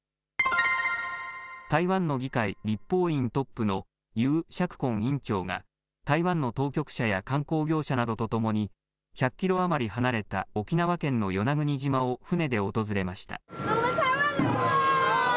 台湾の議会、立法院トップの游錫こん院長が、台湾の当局者や観光業者などとともに、１００キロ余り離れた沖縄県の与那国島を船で訪れました。